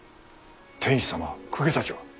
天子様公家たちは？